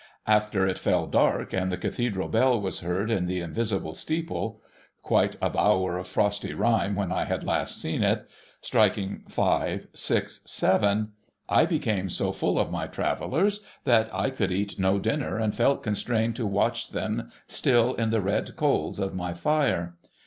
After it fell dark, and the Cathedral bell was heard in the invisible steeple — quite a bower of frosty rime when I had last seen it— striking five, six, seven, I became so full of my Travellers that I could eat no dinner, and felt constrained to v/atch them still in the red coals of my fire.